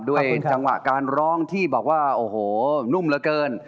จังหวะการร้องที่บอกว่าโอ้โหนุ่มเหลือเกิน